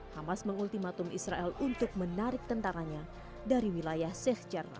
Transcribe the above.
hamas mengultimatum israel untuk menarik tentaranya dari wilayah sheikh jerman